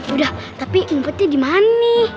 udah tapi ngumpetnya dimana nih